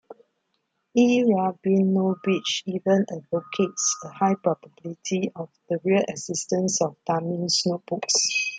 E. Rabinovitch even advocates a high probability of the real existence of Damis' notebooks.